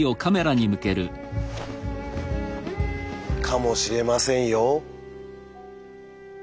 かもしれませんよ。